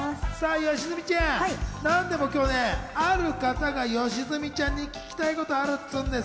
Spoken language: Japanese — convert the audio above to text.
吉住ちゃん、何でも今日、ある方が吉住ちゃんに聞きたいことがあるっていうんです。